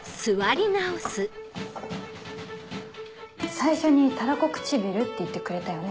最初にタラコ唇って言ってくれたよね。